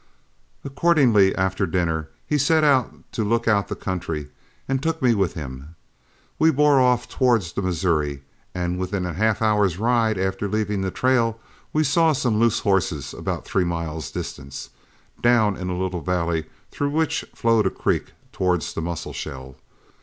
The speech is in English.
Accordingly after dinner he set out to look out the country, and took me with him. We bore off toward the Missouri, and within half an hour's ride after leaving the trail we saw some loose horses about three miles distant, down in a little valley through which flowed a creek towards the Musselshell.